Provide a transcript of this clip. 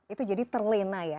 itu jadi terlena ya